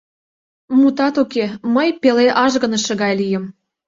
Мутат уке, мый пеле ажгыныше гай лийым.